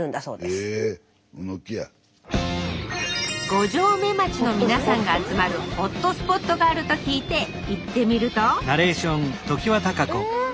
五城目町の皆さんが集まるホットスポットがあると聞いて行ってみるとえっ！